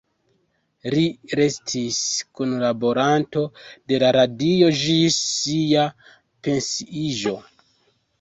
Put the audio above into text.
Li restis kunlaboranto de la radio ĝis sia pensiiĝo.